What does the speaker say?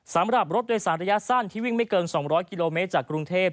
สำหรับรถโดยสารระยะสั้นที่วิ่งไม่เกิน๒๐๐กิโลเมตรจากกรุงเทพ